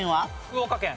福岡県。